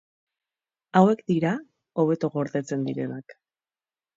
Hauek dira hobeto gordetzen direnak.